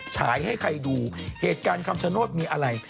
ฉายให้ใครดูเหตุการณ์คำชโนธมีอะไร